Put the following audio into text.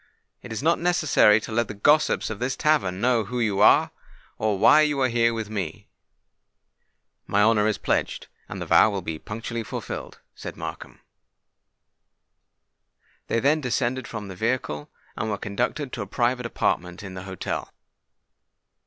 It is not necessary to let the gossips of this tavern know who you are, or why you are here with me." "My honour is pledged, and the vow will be punctually fulfilled," said Markham. They then descended from the vehicle, and were conducted to a private apartment in the hotel.